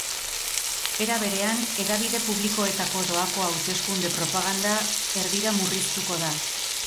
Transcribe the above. Era berean, hedabide publikoetako doako hauteskunde propaganda erdira murriztuko da.